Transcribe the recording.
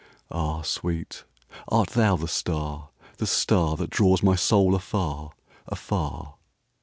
Ah, sweet, art thou the star, the starThat draws my soul afar, afar?